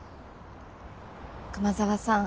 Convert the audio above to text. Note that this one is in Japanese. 熊沢さん